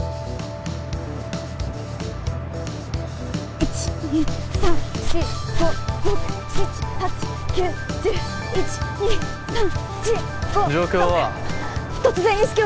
１２３４５６７８９１０１２３４５６状況は？